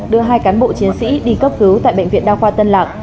đưa hai cán bộ chiến sĩ đi cấp cứu tại bệnh viện đa khoa tân lạc